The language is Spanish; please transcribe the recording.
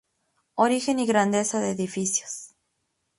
Origen y grandeza de edificios.